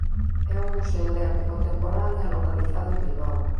É un museo de arte contemporánea localizado en Bilbao.